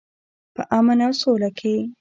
په امن او سوله کې.